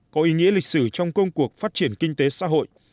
có ý nghĩa lịch sử trong công cuộc phát triển kinh tế xã hội